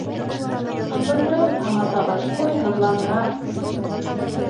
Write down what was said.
— Һыҙландыра бит, Хаммат ағай, ой, һыҙландыра.